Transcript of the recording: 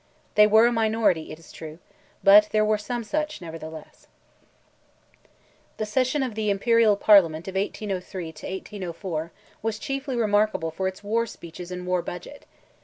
They were a minority, it is true, but there were some such, nevertheless. The session of the Imperial Parliament of 1803 '4, was chiefly remarkable for its war speeches and war budget.